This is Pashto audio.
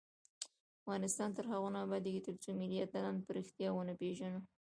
افغانستان تر هغو نه ابادیږي، ترڅو ملي اتلان په ریښتیا ونه پیژنو.